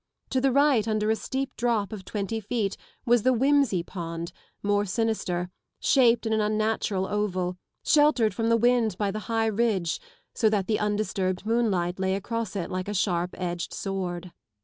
To the right under a steep drop of twenty feet was the Whlmsey pond, more sinister, shaped in an unnatural oval, sheltered from the wind by the high ridge so that the undisturbed moonlight lay across it like a sharp edged sword.